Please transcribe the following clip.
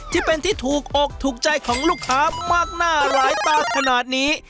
ที่เป็นที่ถูกอกถูกใจของลูกค้ามากหน้าหลายตาขนาดนี้